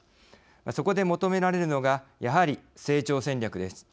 そこで求められるのがやはり成長戦略です。